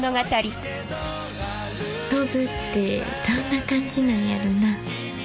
飛ぶってどんな感じなんやろうな。